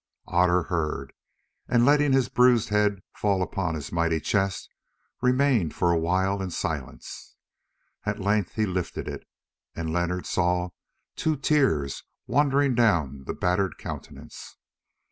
Otter heard, and, letting his bruised head fall upon his mighty chest, remained for a while in silence. At length he lifted it, and Leonard saw two tears wandering down the battered countenance.